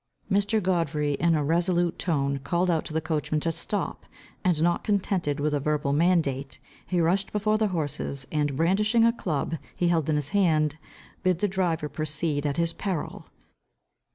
_ Mr. Godfrey, in a resolute tone, called out to the coachman to stop, and not contented with a verbal mandate, he rushed before the horses, and brandishing a club he held in his hand, bid the driver proceed at his peril.